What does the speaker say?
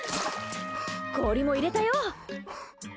氷も入れたよ。